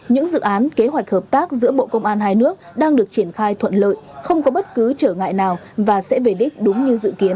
những dự án kế hoạch hợp tác giữa bộ công an hai nước đang được triển khai thuận lợi không có bất cứ trở ngại nào và sẽ về đích đúng như dự kiến